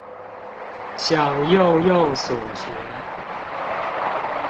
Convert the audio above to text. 想用用所學